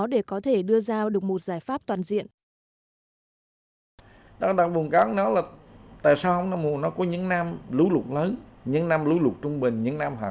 để có thể đưa ra được một giải pháp toàn diện